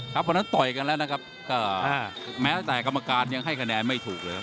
เพราะฉะนั้นต่อยกันแล้วนะครับก็แม้แต่กรรมการยังให้คะแนนไม่ถูกเลย